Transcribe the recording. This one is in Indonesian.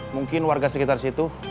mungkin warga sekitar situ